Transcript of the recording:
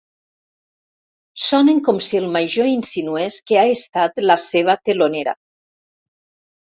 Sonen com si el major insinués que ha estat la seva telonera.